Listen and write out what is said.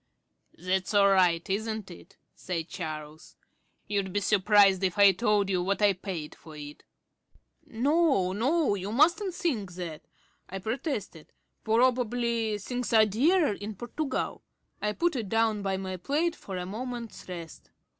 "That's all right, isn't it?" said Charles. "You'd be surprised if I told you what I paid for it." "No, no, you mustn't think that," I protested. "Probably things are dearer in Portugal." I put it down by my plate for a moment's rest.